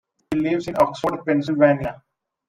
He lives in Oxford, Pennsylvania.